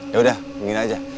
yaudah begini aja